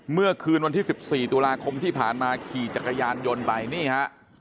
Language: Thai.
เมื่อคืนวันที่๑๔ตุลาคมที่ผ่านมาขี่จักรยานยนต์ไปนี่ฮะ